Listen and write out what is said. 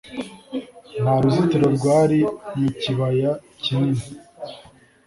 Nta ruzitiro rwari mu kibaya kinini .